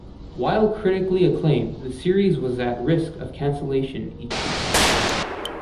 While critically acclaimed, the series was at risk of cancellation each year.